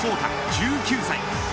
１９歳。